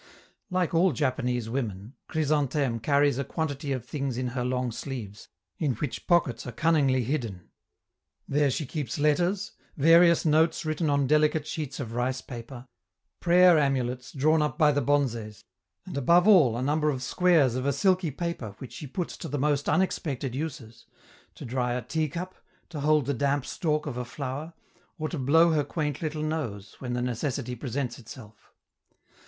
Like all Japanese women, Chrysantheme carries a quantity of things in her long sleeves, in which pockets are cunningly hidden. There she keeps letters, various notes written on delicate sheets of rice paper, prayer amulets drawn up by the bonzes; and above all a number of squares of a silky paper which she puts to the most unexpected uses to dry a teacup, to hold the damp stalk of a flower, or to blow her quaint little nose, when the necessity presents itself.